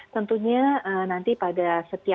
tentunya nanti pada setiap